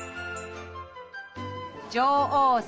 「女王様」